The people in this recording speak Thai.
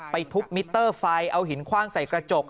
ทุบมิเตอร์ไฟเอาหินคว่างใส่กระจก